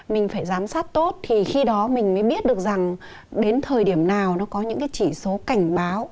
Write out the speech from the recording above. mình phải giám sát tốt thì khi đó mình mới biết được rằng đến thời điểm nào nó có những cái chỉ số cảnh báo